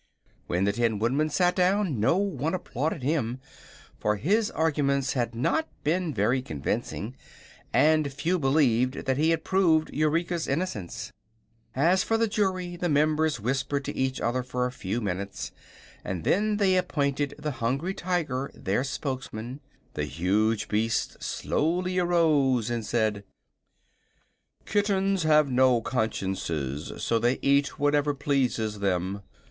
When the Tin Woodman sat down no one applauded him, for his arguments had not been very convincing and few believed that he had proved Eureka's innocence. As for the Jury, the members whispered to each other for a few minutes and then they appointed the Hungry Tiger their spokesman. The huge beast slowly arose and said: "Kittens have no consciences, so they eat whatever pleases them.